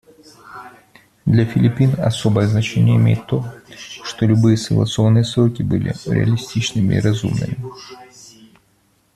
Для Филиппин особое значение имеет то, чтобы любые согласованные сроки были реалистичными и разумными.